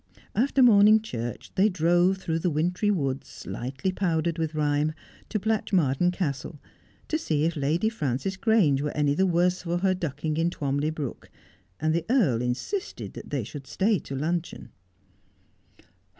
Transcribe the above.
After morning church they drove through the wintry woods, lightly 136 Just as I Am. powdered with rime, to Blatchmardean Castle, to see if Lady Frances Grange were any the worse for her ducking in Twamley brook, and the Earl insisted that they should stay to luncheon.